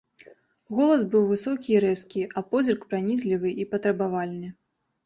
Голас быў высокі і рэзкі, а позірк пранізлівы і патрабавальны.